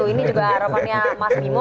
ini juga harapannya mas bimo